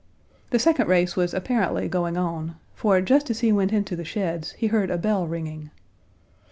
The second race was apparently going on, for just as he went into the sheds he heard a bell ringing.